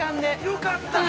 ◆よかった。